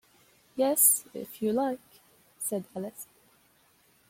‘Yes, if you like,’ said Alice.